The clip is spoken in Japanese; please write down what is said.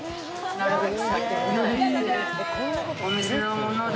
なるべく。